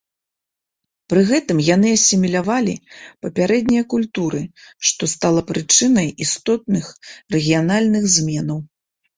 Пры гэтым яны асімілявалі папярэднія культуры, што стала прычынай істотных рэгіянальных зменаў.